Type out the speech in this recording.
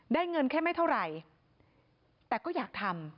เงินแค่ไม่เท่าไหร่แต่ก็อยากทำ